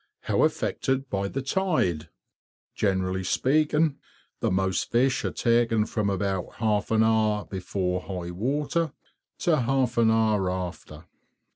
How affected by the tide_? Generally speaking, the most fish are taken from about half an hour before high water to half an hour after.